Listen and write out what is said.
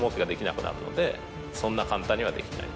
そんな簡単にはできないと。